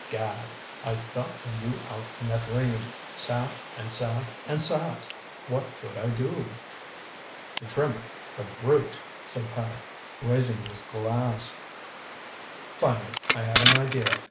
Gad I thought of you out in that rain. Sat and sat and sat. What could I do?" "To Trimmer, the brute," said Paddock, raising his glass. "Finally I had an idea.